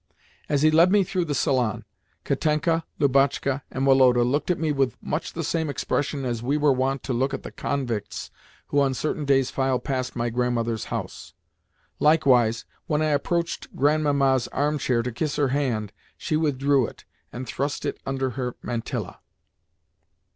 As he led me through the salon, Katenka, Lubotshka, and Woloda looked at me with much the same expression as we were wont to look at the convicts who on certain days filed past my grandmother's house. Likewise, when I approached Grandmamma's arm chair to kiss her hand, she withdrew it, and thrust it under her mantilla.